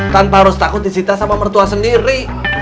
tanpa harus takut disita sama mertua sendiri